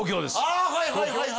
あはいはい。